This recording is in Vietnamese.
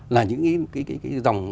là những cái dòng